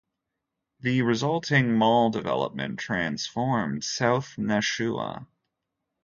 The resulting mall development transformed South Nashua.